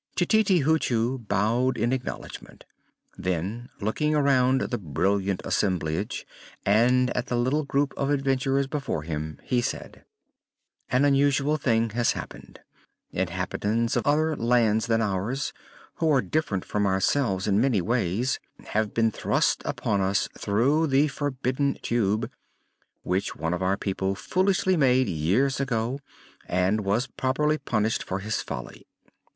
Tititi Hoochoo bowed in acknowledgment. Then, looking around the brilliant assemblage, and at the little group of adventurers before him, he said: "An unusual thing has happened. Inhabitants of other lands than ours, who are different from ourselves in many ways, have been thrust upon us through the Forbidden Tube, which one of our people foolishly made years ago and was properly punished for his folly.